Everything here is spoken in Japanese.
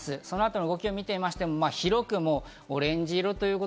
そのあとの動きを見ても広くオレンジ色。